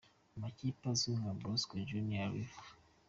amakipe azwi nka Boca Juniors, River